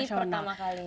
ini pertama kali